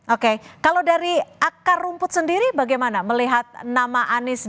oke kalau dari akar rumput sendiri bagaimana melihat nama anies dan ahok ini pak gilbert